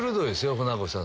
船越さん